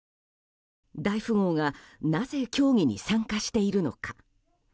大富豪がなぜ協議に参加しているのか。